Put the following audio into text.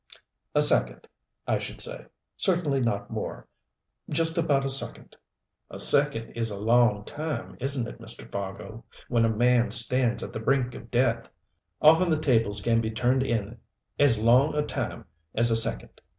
"A second, I should say. Certainly not more. Just about a second." "A second is a long time, isn't it, Mr. Fargo, when a man stands at the brink of death. Often the tables can be turned in as long a time as a second.